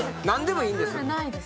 何でもいいんです。